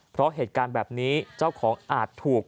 เพราะเหตุการณ์แบบนี้เจ้าของอาจถูก